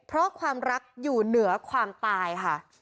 เพราะความรักอยู่เหนือความตายค่ะ